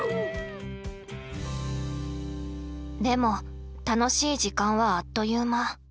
でも楽しい時間はあっという間。